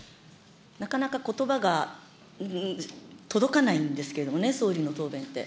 なかなかことばが届かないんですけれどもね、総理の答弁って。